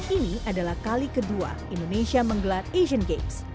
ini adalah kali kedua indonesia menggelar asian games